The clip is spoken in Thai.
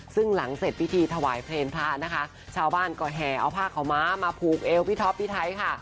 ซึ่งหลังเสร็จพิธีถวายเพลงพระนะคะชาวบ้านก็แห่เอาผ้าขาวม้ามาผูกเอวพี่ท็อปพี่ไทยค่ะ